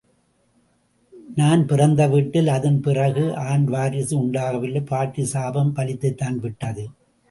நான் பிறந்த வீட்டில் அதன் பிறகு ஆண் வாரிசு உண்டாகவில்லை, பாட்டி சாபம் பலித்துத்தான் விட்டது.